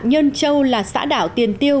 nhân châu là xã đảo tiền tiêu